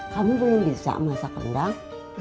kami belum bisa masak rendang